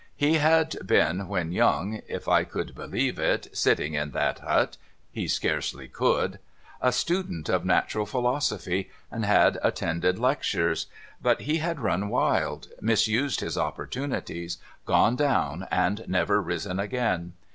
He had been, when young (if I could believe it, sitting in that hut, — he scarcely could), a student of natural philosophy, and had attended lectures ; but he had run wild, misused his opportunities, gone down, and never risen again.